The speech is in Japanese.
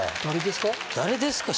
誰ですか？